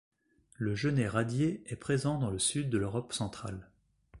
Le genêt radié est présent dans le sud de l'Europe centrale.